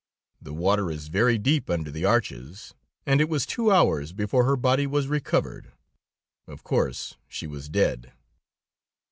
The water is very deep under the arches, and it was two hours before her body was recovered. Of course, she was dead."